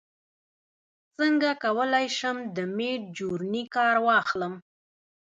څنګه کولی شم د میډجورني کار واخلم